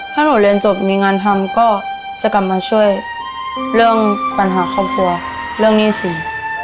ถ้าหนูเรียนจบมีงานทำก็จะกลับมาช่วยเรื่องปัญหาครอบครัวเรื่องหนี้สิน